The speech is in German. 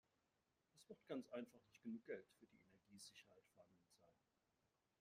Es wird ganz einfach nicht genug Geld für die Energiesicherheit vorhanden sein.